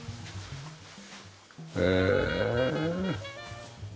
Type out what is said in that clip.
へえ。